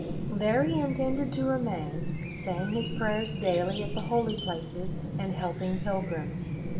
There he intended to remain, saying his prayers daily at the holy places, and helping pilgrims.